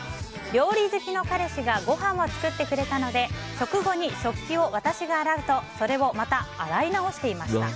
料理好きの彼氏がご飯を作ってくれたので食後に食器を私が洗うとそれをまた洗い直していました。